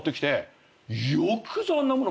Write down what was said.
よくそんなもの